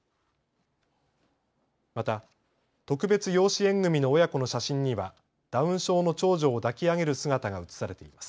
また、特別養子縁組みの親子の写真には、ダウン症の長女を抱き上げる姿が写されています。